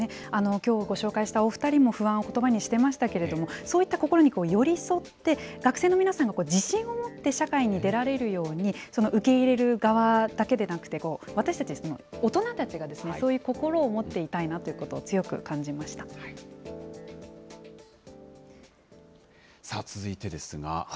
きょうご紹介したお２人も不安をことばにしていましたけれども、そういった心に寄り添って、学生の皆さんが自信を持って社会に出られるように、その受け入れる側だけでなくて、私たち、大人たちが、そういう心を持っていたいなさあ、続いてですが。